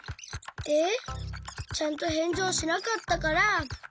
えっ？ちゃんとへんじをしなかったから。